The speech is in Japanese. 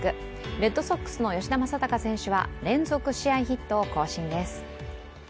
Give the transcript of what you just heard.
レッドソックスの吉田正尚選手は連続試合ヒットを更新です。